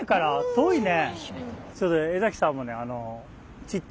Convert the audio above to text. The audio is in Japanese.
遠いね。